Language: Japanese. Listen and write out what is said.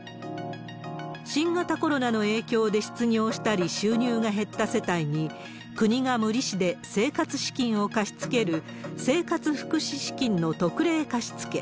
新型コロナの影響で失業したり収入が減った世帯に、国が無利子で生活資金を貸し付ける、生活福祉資金の特例貸付。